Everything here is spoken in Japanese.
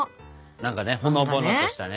何かねほのぼのとしたね。